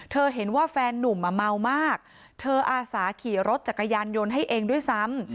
เห็นว่าแฟนนุ่มอ่ะเมามากเธออาสาขี่รถจักรยานยนต์ให้เองด้วยซ้ำ